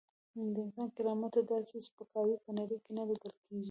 د انسان کرامت ته داسې سپکاوی په نړۍ کې نه لیدل کېږي.